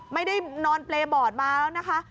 ไม่ได้นอนเปรย์บอร์ดมาแล้วนะคะ